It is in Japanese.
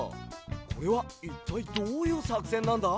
これはいったいどういうさくせんなんだ？